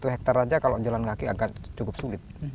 satu hektare saja kalau jalan kaki agak cukup sulit